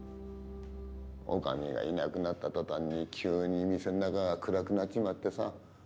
女将がいなくなった途端に急に店の中が暗くなっちまってさ。